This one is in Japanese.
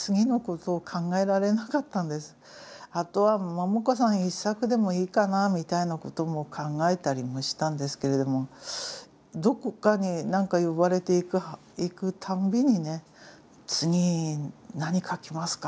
あとは桃子さん１作でもいいかなみたいなことも考えたりもしたんですけれどもどこかに何か呼ばれていくたんびにね「次何書きますか？」